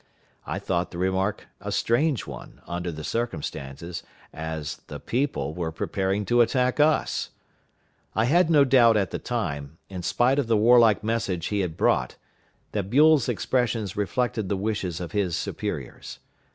I thought the remark a strange one, under the circumstances, as "the people" were preparing to attack us. I had no doubt, at the time, in spite of the warlike message he had brought, that Buell's expressions reflected the wishes of his superiors.